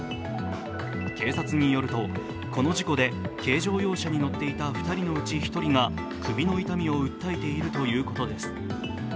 警察によると、この事故で軽乗用車に乗っていた２人のうち１人が首の痛みを訴えているということです。